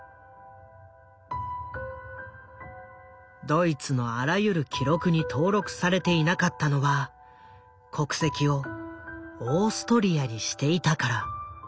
ドイツのあらゆる記録に登録されていなかったのは国籍をオーストリアにしていたから。